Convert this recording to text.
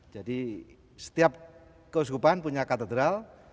jadi setiap keuskupan punya katedral